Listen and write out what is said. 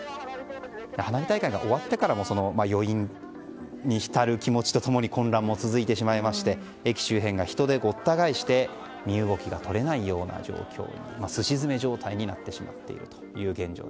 花火大会が終わってからも余韻に浸る気持ちと共に混乱も続いてしまいまして駅周辺が人でごった返して身動きが取れないような状況にすし詰め状態になってしまっているという現状。